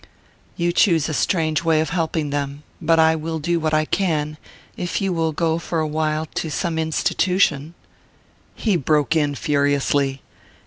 "You choose a strange way of helping them; but I will do what I can if you will go for a while to some institution " He broke in furiously.